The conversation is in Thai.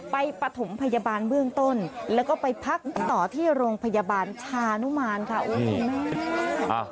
ปฐมพยาบาลเบื้องต้นแล้วก็ไปพักต่อที่โรงพยาบาลชานุมานค่ะ